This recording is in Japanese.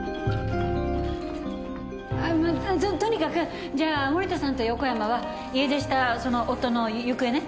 ああとにかくじゃあ森田さんと横山は家出したその夫の行方ね。